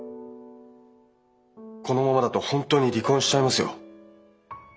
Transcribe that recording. このままだと本当に離婚しちゃいますよ。